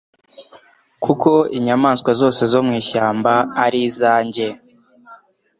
Kuko inyamaswa zose zo mu ishyamba ari izanjye